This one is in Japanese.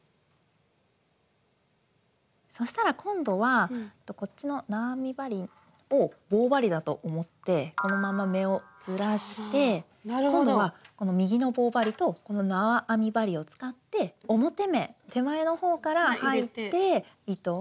そしたら今度はこっちのなわ編み針を棒針だと思ってこのまま目をずらして今度はこの右の棒針となわ編み針を使って表目手前の方から入って糸を。